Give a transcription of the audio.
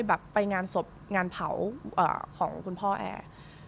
แบบไปงานศพงานเผาของคุณพ่อแอร์